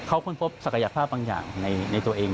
เขาค้นพบศักยภาพบางอย่างในตัวเอง